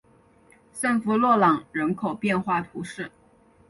圣夫洛朗人口变化图示